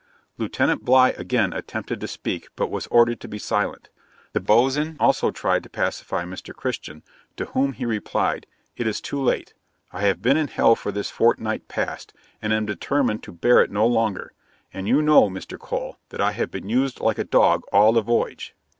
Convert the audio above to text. Lieutenant Bligh again attempted to speak, but was ordered to be silent. The boatswain also tried to pacify Mr. Christian, to whom he replied, "It is too late, I have been in hell for this fortnight past, and am determined to bear it no longer; and you know, Mr. Cole, that I have been used like a dog all the voyage."'